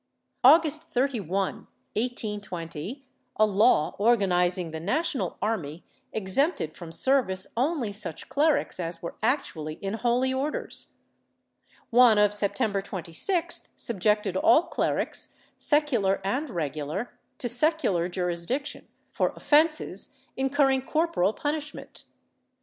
August 31, 1820, a law organizing the national army exempted from service only such clerics as were actually in holy Orders. One of September 26th subjected all clerics, secular and regular, to secular jurisdiction for offences incurring corporal punishment.